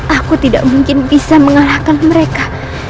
aku tidak mungkin bisa mengalahkan mereka